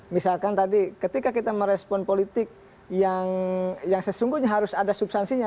misalkan tadi ketika kita merespon politik yang sesungguhnya harus ada substansinya